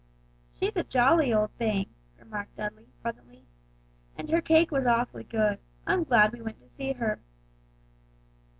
"She's a jolly old thing," remarked Dudley, presently, "and her cake was awfully good. I'm glad we went to see her."